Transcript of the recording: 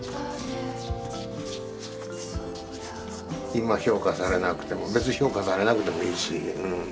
今評価されなくても別に評価されなくてもいいし。